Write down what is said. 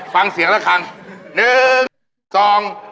ฟังเสียงแล้วคาง